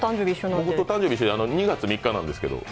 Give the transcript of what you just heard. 僕と誕生日一緒、２月３日なんですけど。